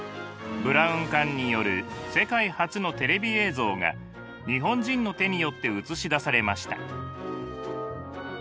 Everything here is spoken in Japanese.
ブラウン管による世界初のテレビ映像が日本人の手によって映し出されました。